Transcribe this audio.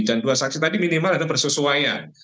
dan dua saksi tadi minimal adalah persesuaian